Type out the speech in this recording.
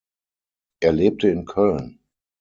Er lebte in Köln.